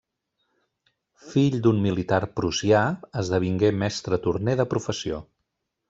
Fill d'un militar prussià, esdevingué mestre torner de professió.